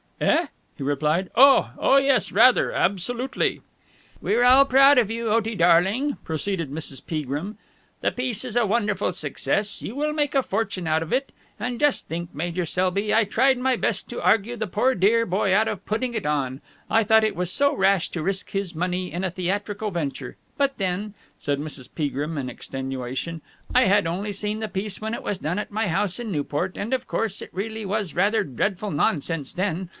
"Eh?" he replied. "Oh, yes, rather, absolutely!" "We're all proud of you, Otie darling," proceeded Mrs. Peagrim. "The piece is a wonderful success. You will make a fortune out of it. And just think, Major Selby, I tried my best to argue the poor, dear boy out of putting it on! I thought it was so rash to risk his money in a theatrical venture. But then," said Mrs. Peagrim in extenuation, "I had only seen the piece when it was done at my house at Newport, and of course it really was rather dreadful nonsense then!